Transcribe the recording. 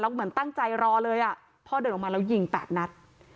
แล้วก็เหมือนตั้งใจรอเลยพ่อเดินออกมาแล้วยิง๘นัท